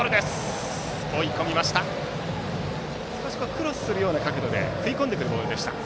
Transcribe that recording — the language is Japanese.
クロスするような角度で食い込んでくるいいボールでした。